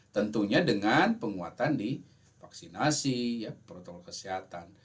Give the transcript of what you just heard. tentunya dengan penguatan di vaksinasi protokol kesehatan